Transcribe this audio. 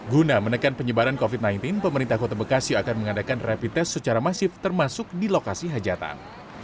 guna menekan penyebaran covid sembilan belas pemerintah kota bekasi akan mengadakan rapid test secara masif termasuk di lokasi hajatan